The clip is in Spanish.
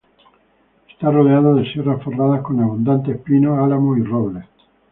Está rodeado de sierras forradas con abundantes pinos, álamos y robles.